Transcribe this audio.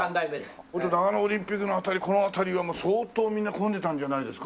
長野オリンピックの辺りこの辺りは相当みんな混んでたんじゃないですか？